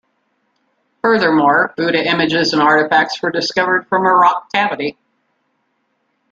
Furthermore, Buddha images and artefacts were discovered from a rock cavity.